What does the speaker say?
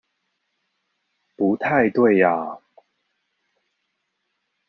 不太對啊！